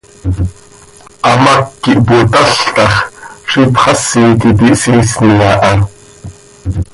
Hamác quih potál ta x, ziix ipxasi quih iti hsiisni aha.